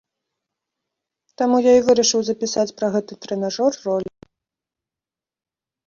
Таму я і вырашыў запісаць пра гэты трэнажор ролік.